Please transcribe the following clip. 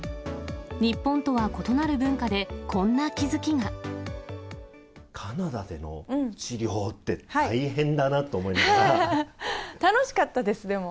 日本とは異なる文化で、カナダでの治療って大変だな楽しかったです、でも。